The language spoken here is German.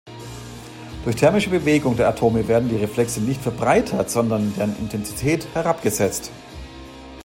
Durch thermische Bewegung der Atome werden die Reflexe nicht verbreitert, sondern deren Intensität herabgesetzt.